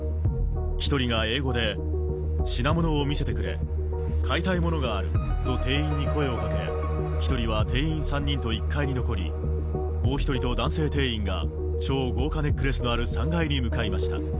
１人が英語で品物を見せてくれ買いたいものがあると店員に声をかけ２人は店員３人と１階に残りもう１人と男性店員が豪華ネックレスのある３階に向かいました。